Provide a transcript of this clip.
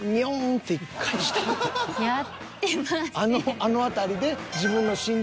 あの辺りで。